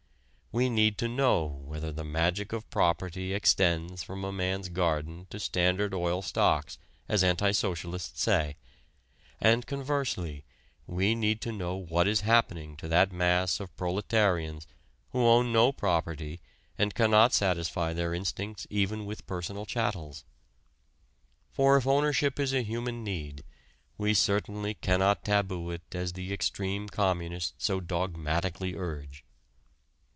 We need to know whether the "magic of property" extends from a man's garden to Standard Oil stocks as anti socialists say, and, conversely, we need to know what is happening to that mass of proletarians who own no property and cannot satisfy their instincts even with personal chattels. For if ownership is a human need, we certainly cannot taboo it as the extreme communists so dogmatically urge.